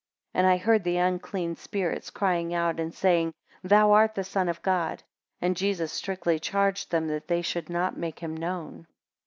33 And I heard the unclean spirits crying out, and saying, Thou art the Son of God. And Jesus strictly charged them, that they should not make him known.